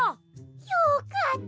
よかった。